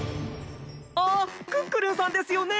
あっクックルンさんですよね？